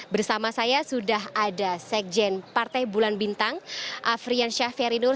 bersama saya sudah ada sekjen partai bulan bintang afriansyah ferry nur